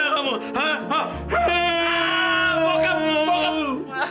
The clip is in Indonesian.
nggak mateng lagi dulu